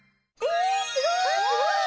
えすごい！